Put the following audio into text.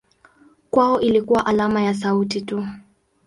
Kwao ilikuwa alama ya sauti tu.